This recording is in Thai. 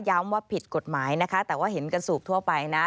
ว่าผิดกฎหมายนะคะแต่ว่าเห็นกันสูบทั่วไปนะ